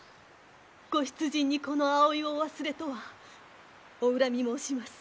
ご出陣にこの葵をお忘れとはお恨み申します。